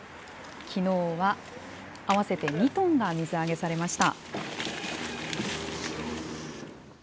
きのうは合わせて２トンが水揚げされました。